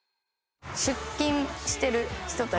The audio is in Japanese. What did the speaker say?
出勤してる人たち。